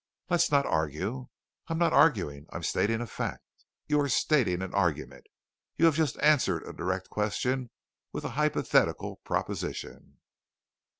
"Let's not argue." "I am not arguing. I am stating a fact." "You are stating an argument; you have just answered a direct question with a hypothetical proposition."